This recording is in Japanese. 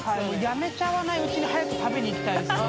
辞めちゃわないうちに早く食べに行きたいですね。